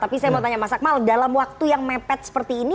tapi saya mau tanya mas akmal dalam waktu yang mepet seperti ini